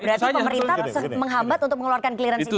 berarti pemerintah menghambat untuk mengeluarkan clearance ini